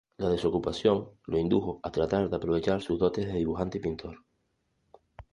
La desocupación lo indujo a tratar de aprovechar sus dotes de dibujante y pintor.